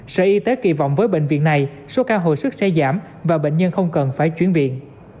sở y tế kỳ vọng với bệnh viện này số ca hồi sức sẽ giảm và bệnh nhân không cần phải chuyển viện